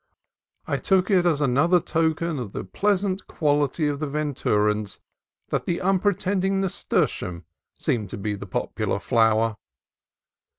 I took it as another token of the pleasant quality of the Venturans that the unpretending nasturtium seemed to be the popular flower.